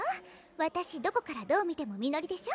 わたしどこからどう見てもみのりでしょ？